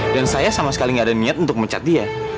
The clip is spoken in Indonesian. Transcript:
dan saya sama sekali nggak ada niat untuk mecat dia